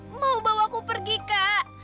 mau bawa aku pergi kak